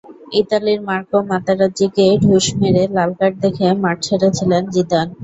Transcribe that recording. ইতালির মার্কো মাতেরাজ্জিকে ঢুস মেরে লাল কার্ড দেখে মাঠ ছেড়েছিলেন জিদান।